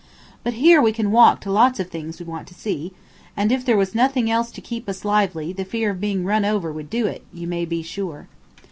But here we can walk to lots of things we want to see, and if there was nothing else to keep us lively the fear of being run over would do it, you may be sure.